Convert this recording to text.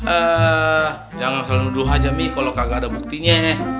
ehh jangan selalu duha aja mi kalo kagak ada buktinya